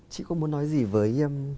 chị có muốn nói gì với